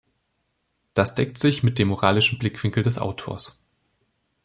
Das deckt sich mit dem moralischen Blickwinkel des Autors.